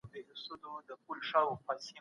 خلګ باید له نویو امکاناتو ګټه واخلي.